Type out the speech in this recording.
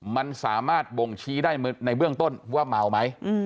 มันสามารถบ่งชี้ได้ในเบื้องต้นว่าเมาไหม